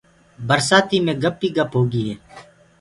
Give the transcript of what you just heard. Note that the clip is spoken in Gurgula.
برسآتيٚ مي گپ ئيٚ گپ هوگي هي۔